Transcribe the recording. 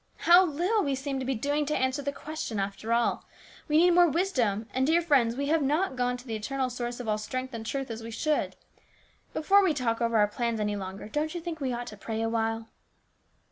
How little we seem to be doing to answer the question, after all. We need more wisdom, and, dear friends, we have not gone to the eternal source of all strength and truth as we should. Before we talk over our plans any longer, don't you think we ought to pray awhile